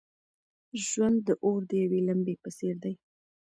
ژوند د اور د یوې لمبې په څېر دی.